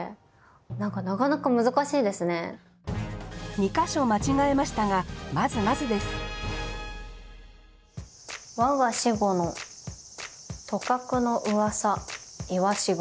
２か所間違えましたがまずまずです「わが死後のとかくの噂いわし雲」。